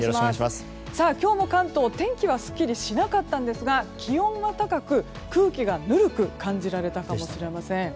今日も関東、天気はすっきりしなかったんですが気温は高く、空気がぬるく感じられたかもしれません。